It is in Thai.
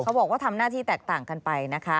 บอกว่าทำหน้าที่แตกต่างกันไปนะคะ